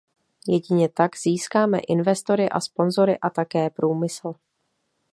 Jedině tak získáme investory a sponsory, a také průmysl.